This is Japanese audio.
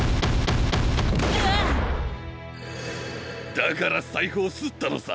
だからさいふをすったのさ。